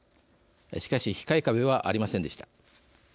しかし、控え壁はありませんでした。